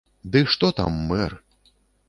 Ды што там мэр!